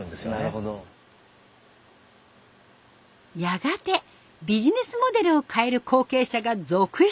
やがてビジネスモデルを変える後継者が続出。